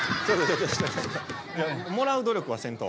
もらう努力はせんと。